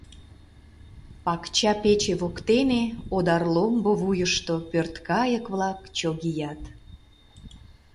Пакча пече воктене одар ломбо вуйышто пӧрткайык-влак чогият.